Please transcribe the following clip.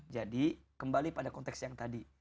jadi kembali pada konteks yang tadi